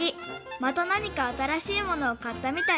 また何か新しいものを買ったみたい。